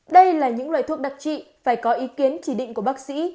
đây là những loại thuốc đặc trị phải có ý kiến chỉ định của bác sĩ